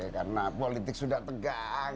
karena politik sudah tegang